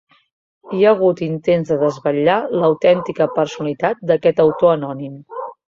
Hi ha hagut intents de desvetllar l'autèntica personalitat d'aquest autor anònim.